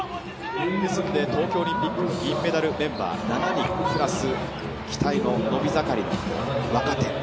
東京オリンピックの銀メダルメンバー、７人プラスプラス期待の伸び盛りの若手